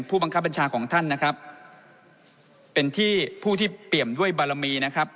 ผู้บังคับบัญชาของท่านนะครับเป็นที่ผู้ที่เปรียมด้วยบารมีนะครับ